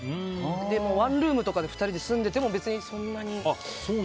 ワンルームとかで２人で住んでても別に、そんなに。